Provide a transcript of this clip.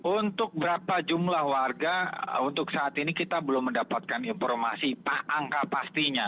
untuk berapa jumlah warga untuk saat ini kita belum mendapatkan informasi angka pastinya